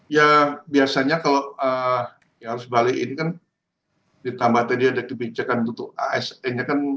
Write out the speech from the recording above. ya biasanya kalau arus balik ini kan ditambah tadi ada kebijakan untuk asn nya kan